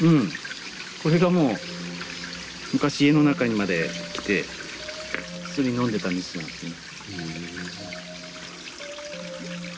これがもう昔家の中にまで来て普通に飲んでた水なんですね。